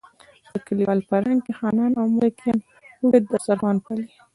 په کلیوال فرهنګ کې خانان او ملکان اوږد دسترخوان پالي.